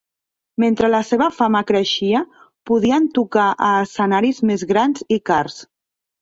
Mentre la seva fama creixia, podien tocar a escenaris més grans i cars.